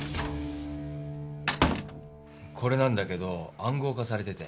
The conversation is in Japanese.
これなんだけど暗号化されてて。